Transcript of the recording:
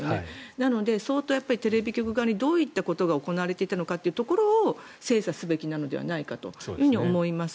なので、相当テレビ局側にどういったことが行われていたのかを精査するべきかと思います。